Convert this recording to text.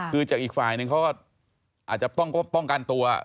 คือจากอีกฝ่ายนึงเขาก็อาจจะต้องป้องกันตัว